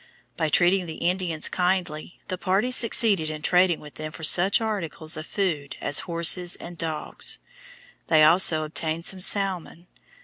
By treating the Indians kindly, the party succeeded in trading with them for such articles of food as horses and dogs. They also obtained some salmon.